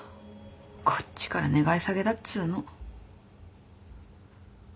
こっちから願い下げだっつーの。